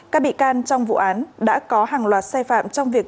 các bị can trong vụ án đã có hàng loạt sai phạm trong việc